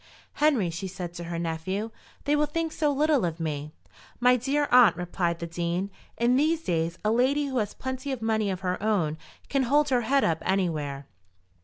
"Henry," she said to her nephew, "they will think so little of me." "My dear aunt," replied the Dean, "in these days a lady who has plenty of money of her own can hold her head up anywhere.